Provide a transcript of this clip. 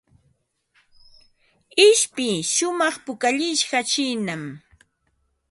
Ishpi shumaq pukallishqa chiinam.